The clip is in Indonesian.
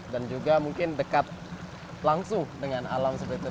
dan juga mungkin dekat langsung dengan alam seperti itu